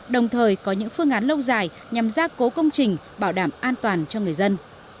đồng thời có những phương án lâu dài nhằm gia cố công trình bảo đảm an toàn cho người dân